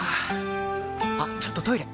あっちょっとトイレ！